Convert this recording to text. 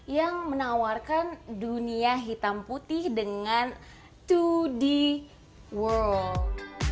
yang menawarkan dunia hitam putih dengan dua d world